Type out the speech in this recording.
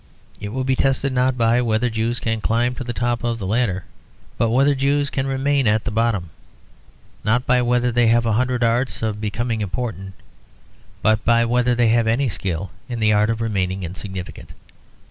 It will be tested, not by whether Jews can climb to the top of the ladder, but by whether Jews can remain at the bottom; not by whether they have a hundred arts of becoming important, but by whether they have any skill in the art of remaining insignificant.